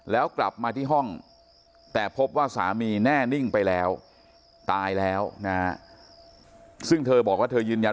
แล้วกลับมาที่ห้องแต่พบว่าสามีแน่นิ่งไปแล้วตายแล้วนะซึ่งเธอบอกว่าเธอยืนยัน